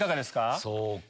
そうか。